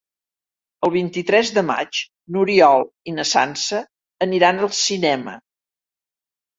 El vint-i-tres de maig n'Oriol i na Sança aniran al cinema.